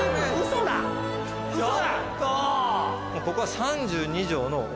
ここは３２帖の。